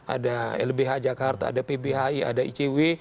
ada lbh jakarta ada pbhi ada icw